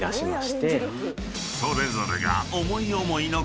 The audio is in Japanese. ［それぞれが］